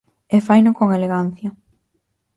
E faino con elegancia.